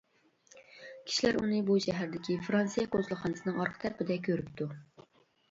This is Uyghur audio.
كىشىلەر ئۇنى بۇ شەھەردىكى فىرانسىيە كونسۇلخانىسىنىڭ ئارقا تەرىپىدە كۆرۈپتۇ.